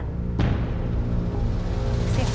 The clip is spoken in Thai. สิ่งศักดิ์สิทธิ์ประจำจังหวัดค่ะ